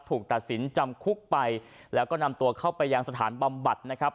ถูกตัดสินจำคุกไปแล้วก็นำตัวเข้าไปยังสถานบำบัดนะครับ